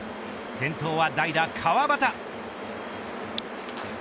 先頭は代打川端